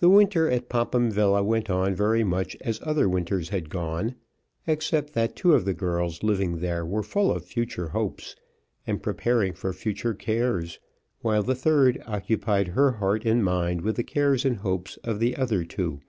The winter at Popham Villa went on very much as other winters had gone, except that two of the girls living there were full of future hopes, and preparing for future cares, while the third occupied her heart and mind with the cares and hopes of the other two.